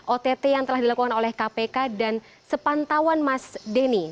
ott yang telah dilakukan oleh kpk dan sepantauan mas denny